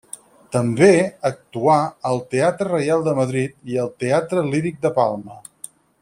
També actuà al Teatre Reial de Madrid i al Teatre Líric de Palma.